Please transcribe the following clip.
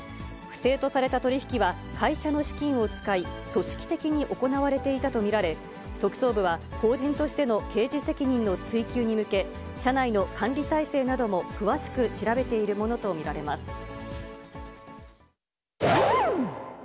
不正とされた取り引きは、会社の資金を使い、組織的に行われていたと見られ、特捜部は、法人としての刑事責任の追及に向け、社内の管理体制なども詳しく調べているものと見られます。